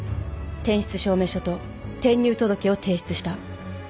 転出証明書と転入届を提出した。